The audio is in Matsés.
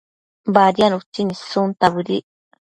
Badiad utsin issunta bëdic